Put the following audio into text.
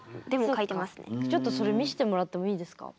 ちょっとそれ見してもらってもいいですか？